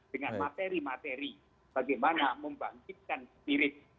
dengan materi materi bagaimana membangkitkan spirit